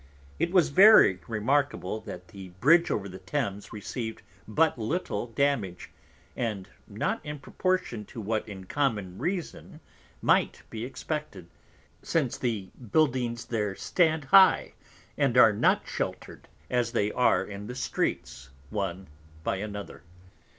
It was very remarkable, that the Bridge over the Thames received but little Damage, and not in Proportion to what in common Reason might be expected; since the Buildings there stand high, and are not sheltered, as they are in the Streets, one by another.